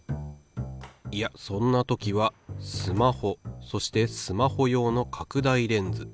いやそんな時はスマホそしてスマホ用の拡大レンズ。